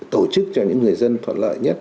tổ chức cho những người dân thuận lợi nhất